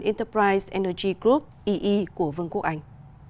enterprise energy group ee của vương quốc anh